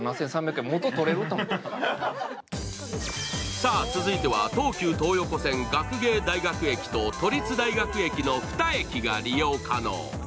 さあ、続いては東急東横線・学芸大学駅と都立大学駅の２駅が利用可能。